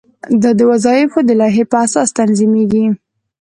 دا د وظایفو د لایحې په اساس تنظیمیږي.